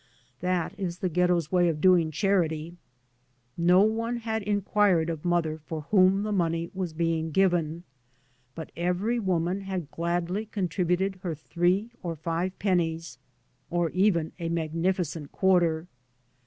That is the ghetto's way of doing charity. No one had inquired of mother for whom the money was being given, but every woman had gladly contributed her three or five pennies — or even a magnificent quarter.